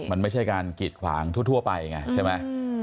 มันไม่ใช่การกีดขวางทั่วไปไงใช่ไหม